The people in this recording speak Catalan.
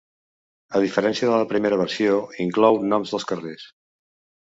A diferència de la primera versió, inclou noms dels carrers.